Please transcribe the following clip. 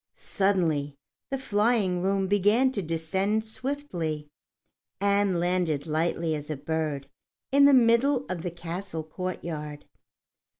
Suddenly the flying room began to descend swiftly, and landed lightly as a bird in the middle of a castle courtyard.